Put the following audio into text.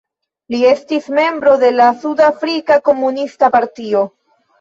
Li estis membro de la Sudafrika Komunista Partio.